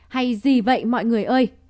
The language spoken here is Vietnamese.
hay gì vậy mọi người ơi